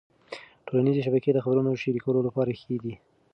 ټولنيزې شبکې د خبرونو شریکولو لپاره ښې دي.